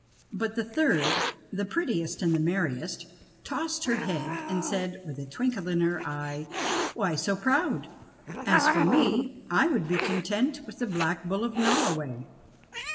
But the third, the prettiest and the merriest, tossed her head and said with a twinkle in her eye, "Why so proud ?' As for me I would be content with the Black Bull of Norro i way."